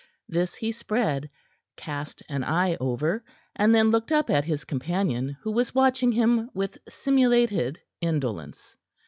This he spread, cast an eye over, and then looked up at his companion, who was watching him with simulated indolence.